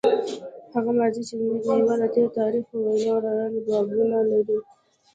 هغه ماضي چې زموږ هېواد د تېر تاریخ په وینو لړلي بابونه لري.